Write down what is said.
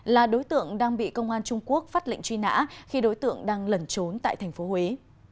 là đối tượng đang bị công an trung quốc phát lệnh truy nã khi đối tượng đang lẩn trốn tại tp huế